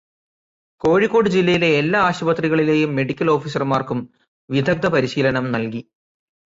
കോഴിക്കോട് ജില്ലയിലെ എല്ലാ ആശുപത്രികളിലേയും മെഡിക്കല് ഓഫീസര്മാര്ക്കും വിദഗ്ധ പരിശീലനം നല്കി.